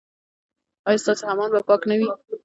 ایا ستاسو حمام به پاک نه وي؟